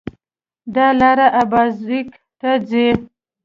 دا لار اببازک ته ځي